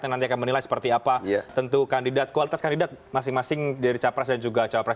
yang nanti akan menilai seperti apa tentu kandidat kualitas kandidat masing masing dari capres dan juga cawapres